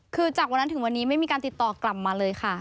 คือจากวันนั้นถึงวันนี้ไม่มีการติดต่อกลับมาเลยค่ะ